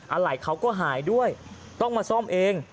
อะไรเขาก็หายด้วยต้องมาซ่อมเอง